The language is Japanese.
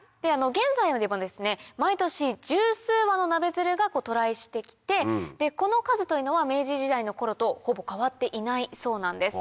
現在でもですね毎年１０数羽のナベヅルが渡来して来てこの数というのは明治時代の頃とほぼ変わっていないそうなんです。